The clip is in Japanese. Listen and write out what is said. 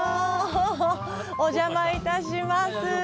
お邪魔いたします。